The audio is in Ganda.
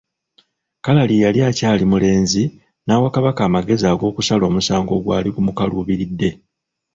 Kalali yali akyali mulenzi, n'awa Kabaka amagezi ag'okusala omusango ogwali gumukaluubiridde.